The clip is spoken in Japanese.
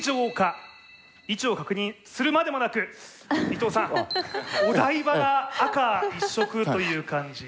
位置を確認するまでもなく伊藤さんお台場が赤一色という感じ。